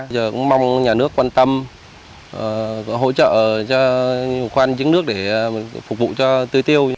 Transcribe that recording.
giờ cũng mong nhà nước quan tâm hỗ trợ cho khoan giếng nước để phục vụ cho tươi tiêu